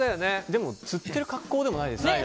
でも釣ってる格好でもないですよね。